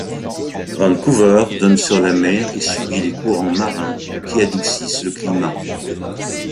Vancouver donne sur la mer et subit les courants marins qui adoucissent le climat.